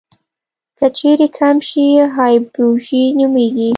که چیرې کم شي هایپوژي نومېږي.